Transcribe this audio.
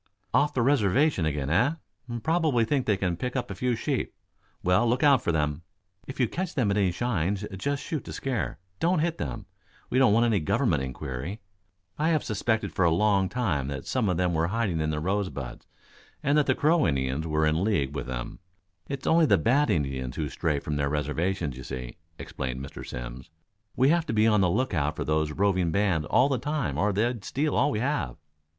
"Off the reservation again, eh? Probably think they can pick up a few sheep. Well, look out for them. If you catch them at any shines just shoot to scare. Don't hit them. We don't want any Government inquiry. I have suspected for a long time that some of them were hiding in the Rosebuds and that the Crow Indians were in league with them. It's only the bad Indians who stray from their reservations, you see," explained Mr. Simms. "We have to be on the lookout for these roving bands all the time or they'd steal all we have."